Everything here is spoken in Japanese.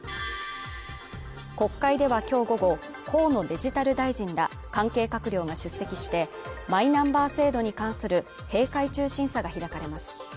国会では今日午後、河野デジタル大臣ら関係閣僚が出席してマイナンバー制度に関する閉会中審査が開かれます。